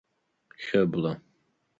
Сааит, аха смаар сҭахын, Хьыбла.